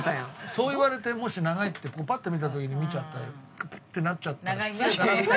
そう言われてもし「長い」ってパッと見た時に見ちゃってプッてなっちゃったら失礼かな。